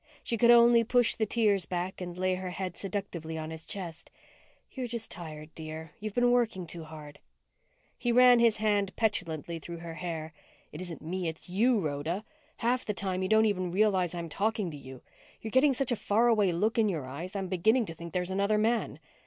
She could only push the tears back and lay her head seductively on his chest. "You're just tired, dear. You've been working too hard." He ran his hand petulantly through her hair. "It isn't me. It's you, Rhoda. Half the time you don't even realize I'm talking to you. You're getting such a faraway look in your eyes I'm beginning to think there's another man."